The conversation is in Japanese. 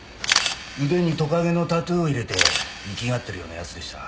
腕にトカゲのタトゥーを入れて粋がってるような奴でした。